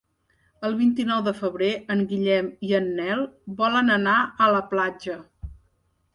El vint-i-nou de febrer en Guillem i en Nel volen anar a la platja.